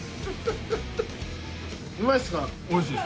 うまいですか？